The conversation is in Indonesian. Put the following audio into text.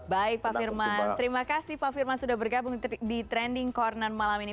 baik pak firman terima kasih pak firman sudah bergabung di trending corner malam ini